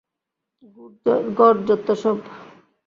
God, যত্তসব!